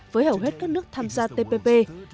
với hầu hết các nước tham gia tpp